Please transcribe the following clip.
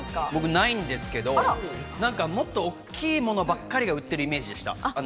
ないんですけれど、もっと大きなものばかり売っているイメージでした。